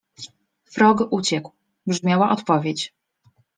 - Frog uciekł - brzmiała odpowiedź.